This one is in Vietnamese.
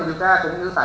lớp ba thôi